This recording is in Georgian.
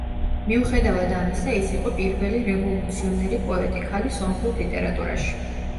მიუხედავად ამისა, ის იყო პირველი რევოლუციონერი პოეტი ქალი სომხურ ლიტერატურაში.